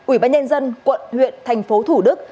ủy ban nhân dân quận huyện thành phố thủ đức